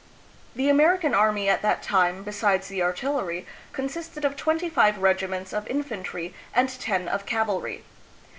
The American army at that time, besides the artillery, consisted of twenty five regi ments of infantry and ten of cavalry.